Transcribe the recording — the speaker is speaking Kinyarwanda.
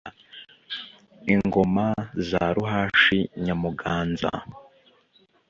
ingoma za ruhashi, nyamuganza